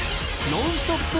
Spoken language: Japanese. ノンストップ！